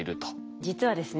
実はですね